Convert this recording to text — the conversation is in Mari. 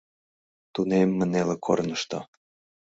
Тунемме неле корнышто.